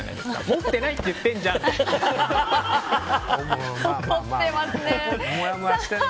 持ってないって言ってんじゃん！みたいな。